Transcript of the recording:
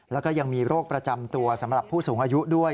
แล้วก็ยังมีโรคประจำตัวสำหรับผู้สูงอายุด้วย